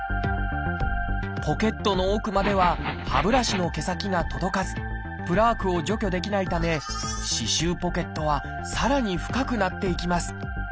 ポケットの奥までは歯ブラシの毛先が届かずプラークを除去できないため歯周ポケットはさらに深くなっていきます。